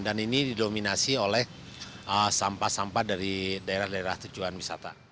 dan ini didominasi oleh sampah sampah dari daerah daerah tujuan wisata